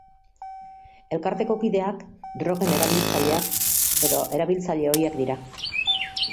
Elkarteko kideak drogen erabiltzaileak edo erabiltzaile-ohiak dira.